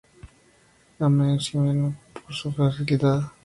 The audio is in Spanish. Ama a Ximeno, por su fragilidad.